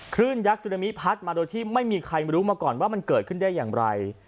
ยักษ์ซึนามิพัดมาโดยที่ไม่มีใครรู้มาก่อนว่ามันเกิดขึ้นได้อย่างไร